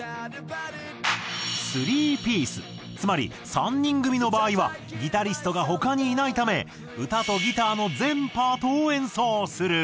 ３ピースつまり３人組の場合はギタリストが他にいないため歌とギターの全パートを演奏する。